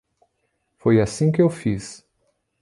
Foi assim que eu fiz.